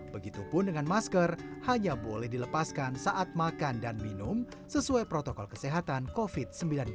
begitupun dengan masker hanya boleh dilepaskan saat makan dan minum sesuai protokol kesehatan covid sembilan belas